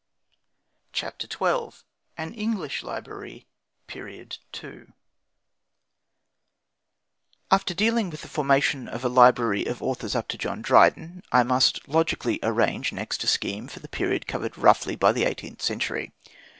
CHAPTER XII AN ENGLISH LIBRARY: PERIOD II After dealing with the formation of a library of authors up to John Dryden, I must logically arrange next a scheme for the period covered roughly by the eighteenth century.